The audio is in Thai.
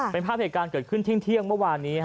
เป็นภาพเหตุการณ์เกิดขึ้นเที่ยงเมื่อวานนี้